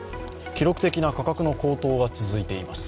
記録的な価格の高騰が続いています。